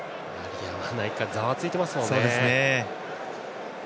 ざわついていますもんね。